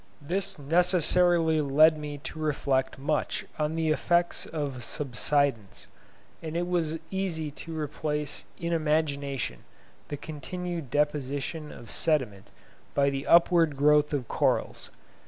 This necessarily led me to reflect much on the effects of subsidence, and it was easy to replace in imagination the continued deposition of sediment by the upward growth of corals.